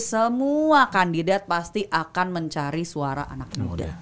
semua kandidat pasti akan mencari suara anak muda